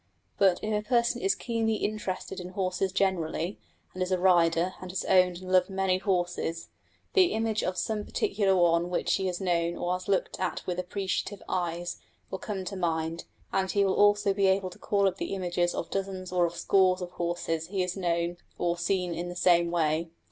But if a person is keenly interested in horses generally, and is a rider and has owned and loved many horses, the image of some particular one which he has known or has looked at with appreciative eyes will come to mind; and he will also be able to call up the images of dozens or of scores of horses he has known or seen in the same way.